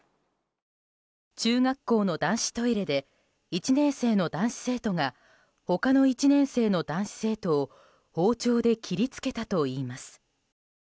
中学校の男子トイレで１年生の男子生徒が他の１年生の男子生徒を包丁で切りつけたといいます。